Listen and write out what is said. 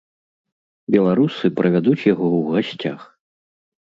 Беларусы правядуць яго ў гасцях.